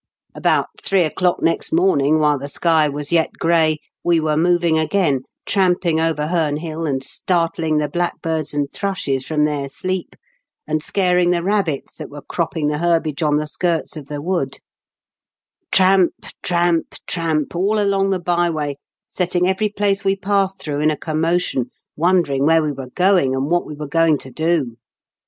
" About three o'clock next morning, while the sky was yet gray, we were moving again, L 2 r 148 IN KENT WITH CHABLE8 DICKENS, tramping over Heme Hill and startling the blackbirds and thrushes from their sleep, and scaring the rabbits that were cropping the herbage on the skirts of the wood Tramp, tramp, tramp 1 all along the by way, setting every place we passed through in a commotion, wondering where we were going and what we were going to do.